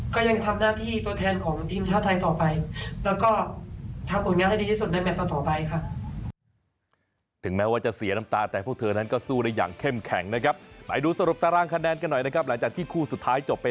ก็ยังจะทำหน้าที่ตัวแทนของทีมชาติไทยต่อไป